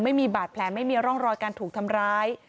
ไม่มีบาดแผลไม่มีร่องรอยการถูกทำร้าย